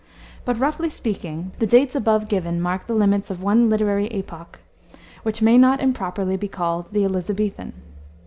But, roughly speaking, the dates above given mark the limits of one literary epoch, which may not improperly be called the Elisabethan.